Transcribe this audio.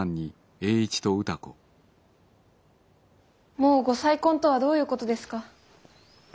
もうご再婚とはどういうことですか？